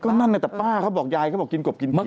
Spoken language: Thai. ก็นั่นเนี่ยแต่ป้าเขาบอกยายเขากินกบกินเขียด